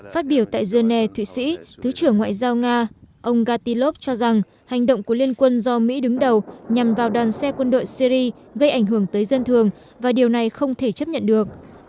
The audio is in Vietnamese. phát biểu tại geneva thụy sĩ thứ trưởng ngoại giao nga ông gatilov cho rằng hành động của liên quân do mỹ đứng đầu nhằm vào đoàn xe quân đội syri gây ảnh hưởng tới dân thường và điều này không thể chấp nhận được